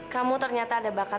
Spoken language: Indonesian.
kamu ternyata ada bakat